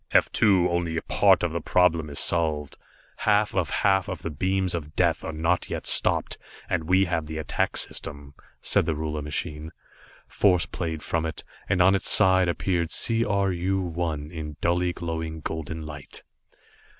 "F 2, only a part of the problem is solved. Half of half of the beams of Death are not yet stopped. And we have the attack system," said the ruler machine. Force played from it, and on its sides appeared C R U 1 in dully glowing golden light.